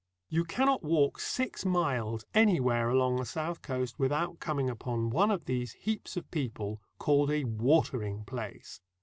You cannot walk six miles anywhere along the south coast without coming upon one of these heaps of people, called a watering place.